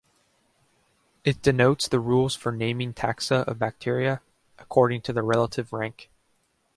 It denotes the rules for naming taxa of bacteria, according to their relative rank.